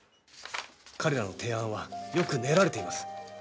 彼らの提案はよく練られています。